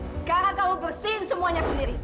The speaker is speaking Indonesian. sekarang kamu mesin semuanya sendiri